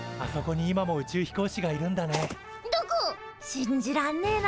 信じらんねえな！